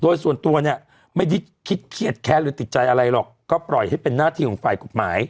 โดยส่วนตัวเนี่ยไม่ได้คิดเครียดแค้นหรือติดใจอะไรหรอกก็ปล่อยให้เป็นหน้าที่ของฝ่ายกฎหมาย